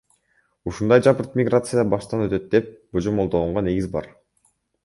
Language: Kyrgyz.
Ушундай жапырт миграция баштан өтөт деп божомолдогонго негиз бар.